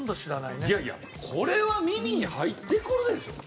いやいやこれは耳に入ってくるでしょ。